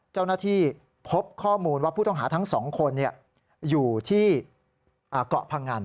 เจ้าหน้าที่พบข้อมูลว่าผู้ต้องหาทั้งสองคนอยู่ที่เกาะพงัน